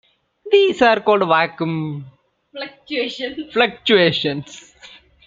These are called vacuum fluctuations.